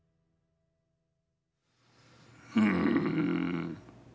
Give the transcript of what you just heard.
うん。